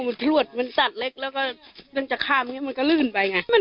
ไม่รู้เหมือนกันเพราะว่าเรา